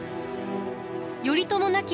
頼朝亡き